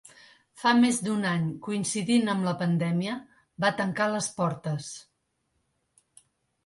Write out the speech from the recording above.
Fa més d’un any, coincidint amb la pandèmia, va tancar les portes.